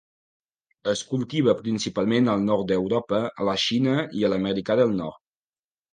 Es cultiva principalment al nord d'Europa, a la Xina i a l'Amèrica del Nord.